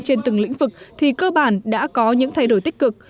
trên từng lĩnh vực thì cơ bản đã có những thay đổi tích cực